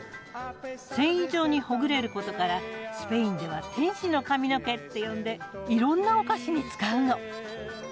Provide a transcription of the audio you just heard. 繊維状にほぐれることからスペインでは「天使の髪の毛」って呼んでいろんなお菓子に使うの。